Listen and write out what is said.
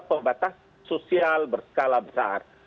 pebatas sosial berskala besar